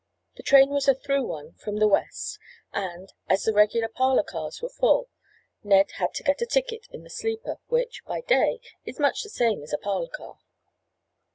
The train was a through one from the west and, as the regular parlor cars were full Ned had to get a ticket in the sleeper which, by day, is much the same as a parlor car.